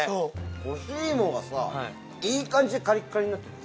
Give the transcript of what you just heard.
干し芋がいい感じにカリカリになっててさ。